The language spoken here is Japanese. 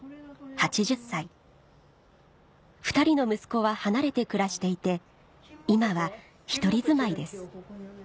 ８０歳２人の息子は離れて暮らしていて今は１人住まいです